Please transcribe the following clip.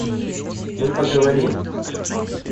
Мы поговорим.